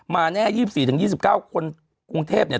มาแน่๒๔ถึง๒๙คนกรุงเทพฯเนี่ย